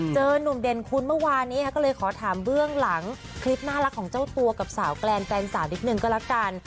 หนุ่มเด่นคุณเมื่อวานนี้ก็เลยขอถามเบื้องหลังคลิปน่ารักของเจ้าตัวกับสาวแกรนแฟนสาวนิดนึงก็แล้วกัน